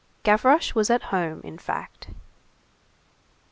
Gavroche was at home, in fact.